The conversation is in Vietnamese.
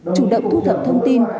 chủ động thu thẩm thông tin